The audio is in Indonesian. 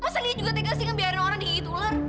masa lia juga tega sih ngebiarin orang dihigit ular